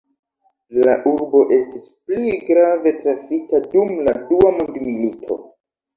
La urbo estis pli grave trafita dum la dua mondmilito.